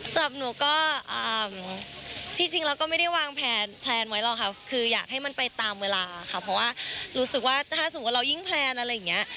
จับหนูก็ที่จริงแล้วไม่ได้วางแผนแหละครับคืออยากให้มันไปตามเวลาครับเพราะลูกสุดว่าถ้าสมมติเรายิ่งแผนอะไรอย่างนี้